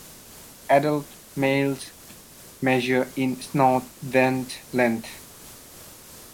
Adult males measure in snout–vent length.